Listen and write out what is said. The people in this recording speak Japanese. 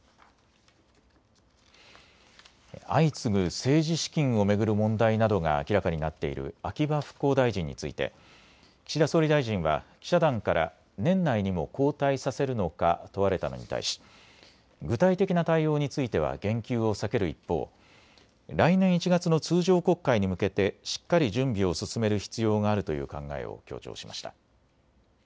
相次ぐ政治資金を巡る問題などが明らかになっている秋葉復興大臣について岸田総理大臣は記者団から年内にも交代させるのか問われたのに対し具体的な対応については言及を避ける一方、来年１月の通常国会に向けてしっかり準備を進める必要があるという考えを強調しました。